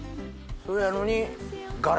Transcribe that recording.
それやのに。